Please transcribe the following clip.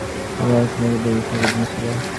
কিন্তু যজ্ঞানুষ্ঠানে একটি বিষম বিঘ্ন ছিল।